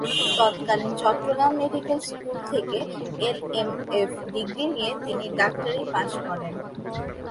তৎকালীন Chittagong medical school থেকে L M F degree নিয়ে তিনি ডাক্তারি পাশ করেন।